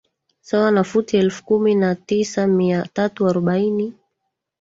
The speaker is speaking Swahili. sawana futi elfu kumi na tisa mia tatu arobaini